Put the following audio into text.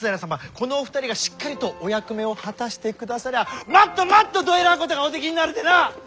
このお二人がしっかりとお役目を果たしてくださりゃまっとまっとどえりゃことがおできになるでな！